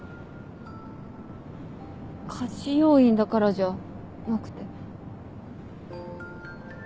家事要員だからじゃなくて。